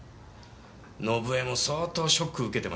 伸枝も相当ショック受けてましたよ。